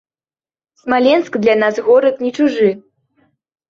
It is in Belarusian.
Смаленск для нас горад не чужы.